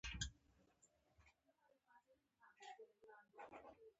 نوې زده کړه ذهن غښتلی کوي